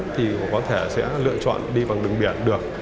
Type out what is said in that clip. thì có thể sẽ lựa chọn đi bằng đường biển được